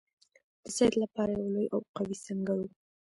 د سید لپاره یو لوی او قوي سنګر وو.